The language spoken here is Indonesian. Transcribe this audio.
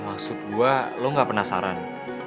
maksud gue lo gak penasaran